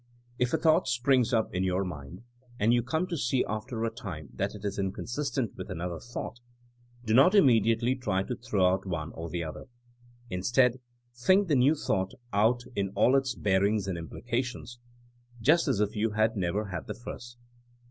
If a thought springs up in your mind, and you come to see after a time that it is inconsistent with another thought, do not im mediately try to throw out one or the other. In stead, think the new thought out in all its bear ings and implications, just as if you had never had the first.